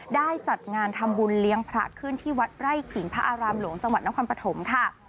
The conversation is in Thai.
ได้จัดงานทำบุญเลี้ยงพระขึ้นที่วัดไร่ขิงพระอารามหลวงจังหวัดนครปฐมค่ะ